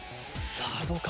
さあどうか？